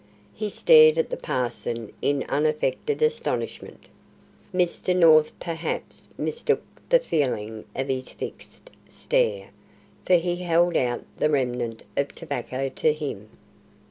He stared at the parson in unaffected astonishment. Mr. North perhaps mistook the meaning of his fixed stare, for he held out the remnant of tobacco to him.